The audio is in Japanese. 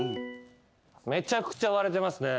めちゃくちゃ割れてますね。